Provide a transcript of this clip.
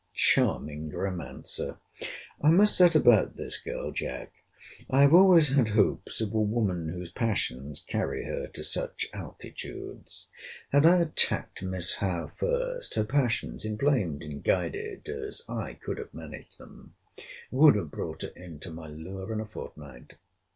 ]—Charming romancer!—I must set about this girl, Jack. I have always had hopes of a woman whose passions carry her to such altitudes.—Had I attacked Miss Howe first, her passions, (inflamed and guided as I could have managed them,) would have brought her into my lure in a fortnight.